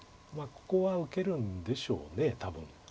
ここは受けるんでしょう多分。